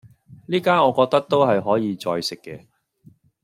呢間我覺得都係可以再食既